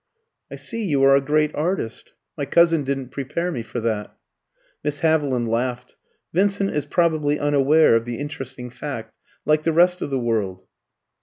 "I see you are a great artist. My cousin didn't prepare me for that." Miss Haviland laughed. "Vincent is probably unaware of the interesting fact, like the rest of the world."